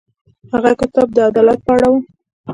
هغه کتاب د عدالت په اړه و.